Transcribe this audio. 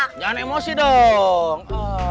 jangan emosi dong